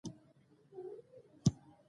د هیواد په کچه د وړو پانګونو ملاتړ کیږي.